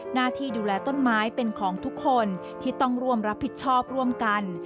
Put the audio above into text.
หน้าที่ดูแลต้นไม้เป็นของทุกคนที่ต้องร่วมรับผิดชอบร่วมกัน